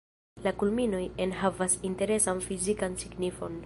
La kulminoj enhavas interesan fizikan signifon.